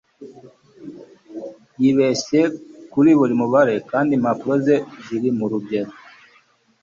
Yibeshye kuri buri mubare kandi impapuro ze ziri murugero